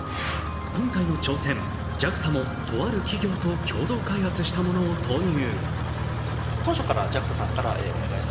今回の挑戦、ＪＡＸＡもとある企業と共同開発したものを投入。